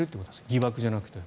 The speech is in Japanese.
疑惑じゃなくて。